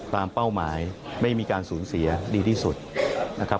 เป้าหมายไม่มีการสูญเสียดีที่สุดนะครับ